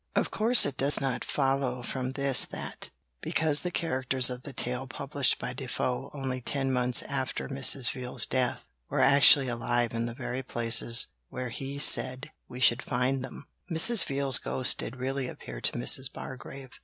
Of course it does not follow from this that, because the characters of the tale published by Defoe only ten months after Mrs. Veal's death were actually alive in the very places where he said we should find them, Mrs. Veal's ghost did really appear to Mrs. Bargrave.